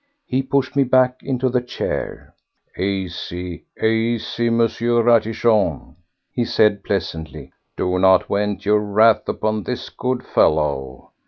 He pushed me back into the chair. "Easy, easy, M. Ratichon," he said pleasantly; "do not vent your wrath upon this good fellow.